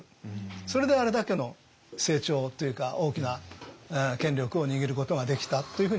それであれだけの成長というか大きな権力を握ることができたというふうに思いますけどね。